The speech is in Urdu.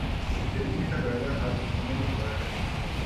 فتنے کا پہلا ہدف امن ہو تا ہے۔